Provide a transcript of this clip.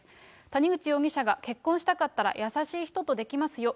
谷口容疑者が、結婚したかったら優しい人とできますよ。